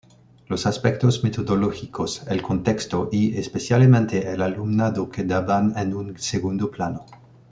Los aspectos metodológicos, el contexto y, especialmente, el alumnado, quedaban en un segundo plano.